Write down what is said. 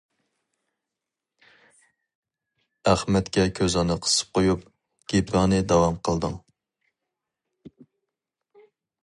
ئەخمەتكە كۆزۈڭنى قىسىپ قويۇپ، گېپىڭنى داۋام قىلدىڭ.